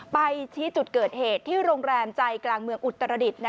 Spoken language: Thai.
ไปชี้จุดเกิดเหตุที่โรงแรมใจกลางเมืองอุตรดิษฐ์